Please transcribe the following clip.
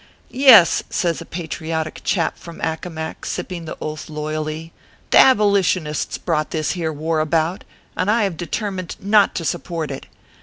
"Yes !" says a, patriotic chap from Accomac, sip ping the oath loyally, " the Abolitionists brought this here war about, and I have determined not to support it.